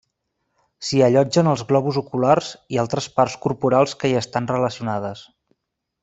S'hi allotgen els globus oculars i altres parts corporals que hi estan relacionades.